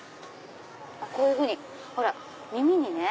こういうふうに耳にね。